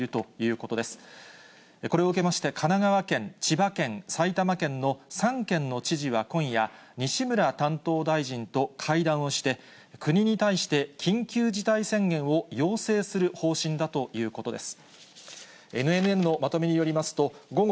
これを受けまして、神奈川県、千葉県、埼玉県の３県の知事は今夜、西村担当大臣と会談をして、国に対して緊急事態宣言を要請する方針だということです。